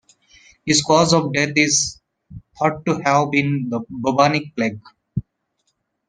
His cause of death is thought to have been the bubonic plague.